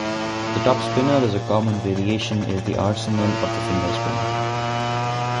The topspinner is a common variation is the arsenal of the finger spinner.